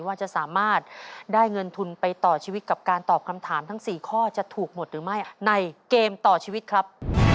ว่าจะสามารถได้เงินทุนไปต่อชีวิตกับการตอบคำถามทั้ง๔ข้อจะถูกหมดหรือไม่ในเกมต่อชีวิตครับ